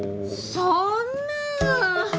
そんな。